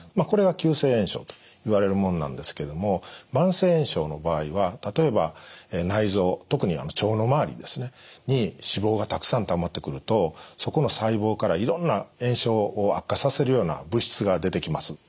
これは急性炎症といわれるものなんですけども慢性炎症の場合は例えば内臓特に腸の周りですねに脂肪がたくさんたまってくるとそこの細胞からいろんな炎症を悪化させるような物質が出てきます。